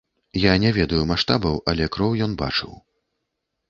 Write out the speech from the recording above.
Я не ведаю маштабаў, але кроў ён бачыў.